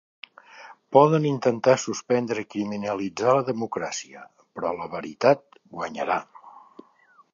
Poden intentar suspendre i criminalitzar la democràcia, però la veritat guanyarà.